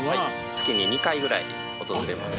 月に２回ぐらい訪れます。